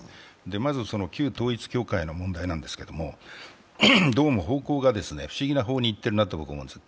まず、旧統一教会の問題なんですけれども、どうも方向が不思議な方向にいっているなと思うんです。